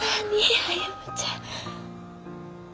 歩ちゃん。